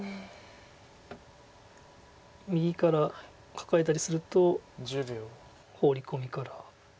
右からカカえたりするとホウリコミから。